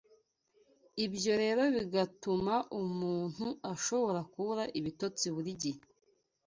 ibyo rero bigatuma umuntu ashobora kubura ibitotsi buri gihe